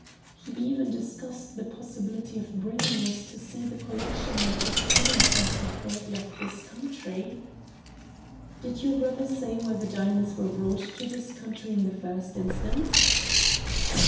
He even discussed the possibility of bringing us to see the collection when it was finished and before it left this country." "Did your brother say why the diamonds were brought to this country in the first instance?"